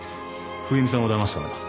冬美さんをだますためだ。